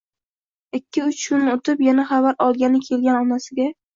Ikki-uch kun o`tib yana xabar olgani kelgan onasiga